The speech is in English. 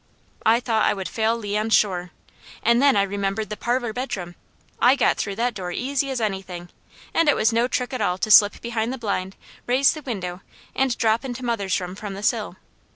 I thought I would fail Leon sure, and then I remembered the parlour bedroom. I got through that door easy as anything, and it was no trick at all to slip behind the blind, raise the window, and drop into mother's room from the sill.